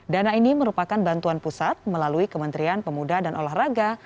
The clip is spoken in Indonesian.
dana ini merupakan bantuan pusat melalui kementerian pemuda dan olahraga